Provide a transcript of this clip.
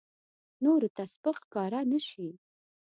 نورو ته سپک ښکاره نه شي.